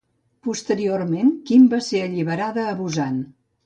Posteriorment Kim va ser alliberada a Busan.